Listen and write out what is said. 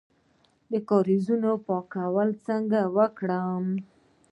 د کاریزونو پاکول څنګه وکړم؟